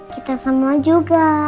kita semua juga